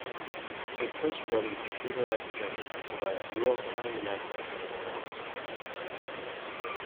A pushbutton computerised service provides real-time next train announcements.